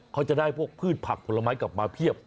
เค้าจะได้พืชผับผลไม้กลับมาเทียบ